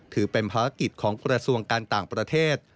ถือเป็นภารกิจของกระทรวงการต่างประเทศ